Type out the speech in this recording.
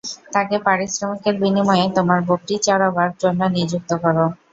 তাকে পারিশ্রমিকের বিনিময়ে তোমার বকরী চরাবার জন্যে নিযুক্ত কর।